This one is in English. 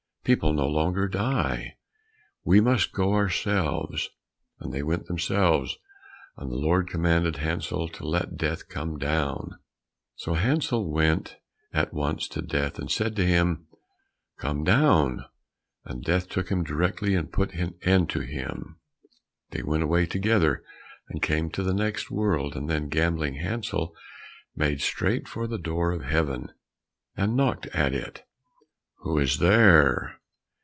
People no longer die; we must go ourselves." And they went themselves, and the Lord commanded Hansel to let Death come down. So Hansel went at once to Death and said to him, "Come down," and Death took him directly and put an end to him. They went away together and came to the next world, and then Gambling Hansel made straight for the door of Heaven, and knocked at it. "Who is there?"